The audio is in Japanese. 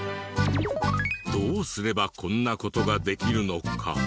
どうすればこんな事ができるのか？